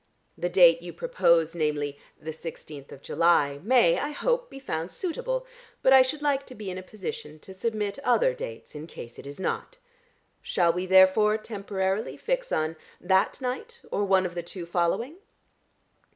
The date you propose, namely the sixteenth of July, may, I hope, be found suitable, but I should like to be in a position to submit other dates in case it is not. Shall we therefore temporarily fix on that night or one of the two following?"